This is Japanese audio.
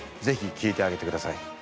ぜひ聞いてあげてください。